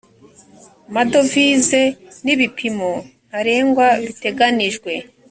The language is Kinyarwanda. madovize n ibipimo ntarengwa biteganijwe